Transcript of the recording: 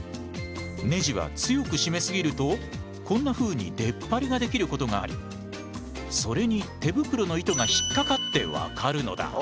ネジは強く締め過ぎるとこんなふうに出っ張りができることがありそれに手袋の糸が引っかかって分かるのだ。